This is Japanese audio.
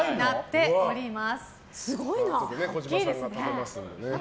すごいな。